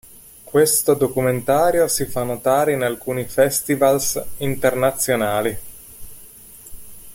Questo documentario si fa notare in alcuni festivals internazionali.